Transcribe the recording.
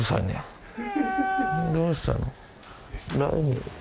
どうしたの？